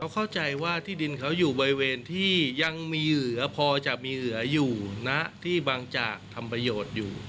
เข้าใจว่าที่ดินเขาอยู่บริเวณที่ยังมีเหลือพอจะมีเหลืออยู่นะที่บางจากทำประโยชน์อยู่